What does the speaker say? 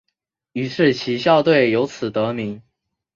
于是其校队由此得名。